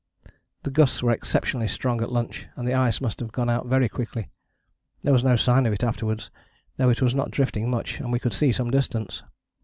The gusts were exceptionally strong at lunch, and the ice must have gone out very quickly. There was no sign of it afterwards, though it was not drifting much and we could see some distance.